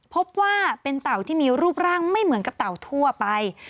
พบว่าเป็นเต่าที่มีรูปร่างไม่เหมือนกับเต่าทั่วไป